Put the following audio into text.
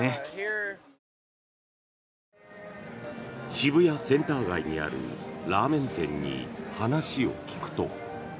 渋谷センター街にあるラーメン店に話を聞くと。